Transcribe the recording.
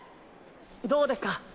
どうですか？